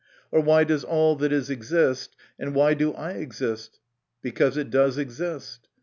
Or why does all that is exist, and why do I exist? Because it does exist."